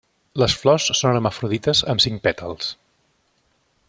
Les flors són hermafrodites amb cinc pètals.